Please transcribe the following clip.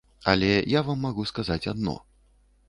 Але я вам магу сказаць адно.